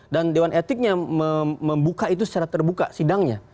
dan dewan etiknya membuka itu secara terbuka sidangnya